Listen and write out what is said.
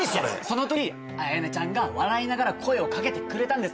その時綾音ちゃんが笑いながら声を掛けてくれたんです。